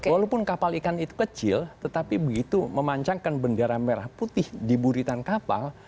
walaupun kapal ikan itu kecil tetapi begitu memancangkan bendera merah putih di buritan kapal